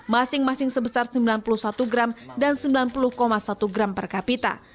masing masing sebesar sembilan puluh satu gram dan sembilan puluh satu gram per kapita